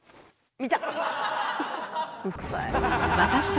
見た！